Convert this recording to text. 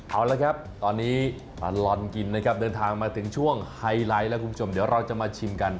เอาละครับตอนนี้ตลอดกินนะครับเดินทางมาถึงช่วงไฮไลท์แล้วคุณผู้ชมเดี๋ยวเราจะมาชิมกัน